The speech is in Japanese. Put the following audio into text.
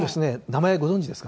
名前ご存じです